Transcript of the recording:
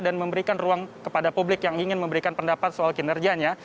dan memberikan ruang kepada publik yang ingin memberikan pendapat soal kinerjanya